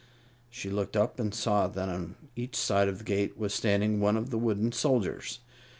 She looked up and saw that on each side of the gate was standing one of the wooden soldiers.